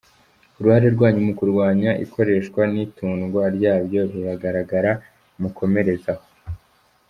Uruhare rwanyu mu kurwanya ikoreshwa n’itundwa ryabyo ruragaragara ; mukomereze aho."